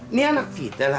ini anak kita elah